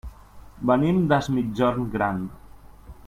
Venim des Migjorn Gran.